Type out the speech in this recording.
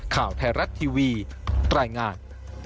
ข่าวไทยรัฐทีวีรายงาน